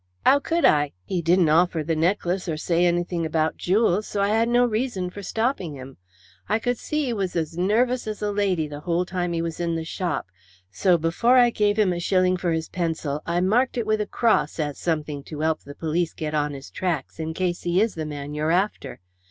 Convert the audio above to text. "How could I? He didn't offer the necklace, or say anything about jewels, so I had no reason for stopping him. I could see 'e was as nervous as a lady the whole time he was in the shop, so before I gave him a shilling for his pencil I marked it with a cross as something to 'elp the police get on his tracks in case he is the man you're after.